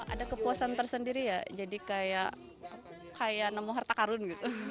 ada kepuasan tersendiri ya jadi kayak nemu harta karun gitu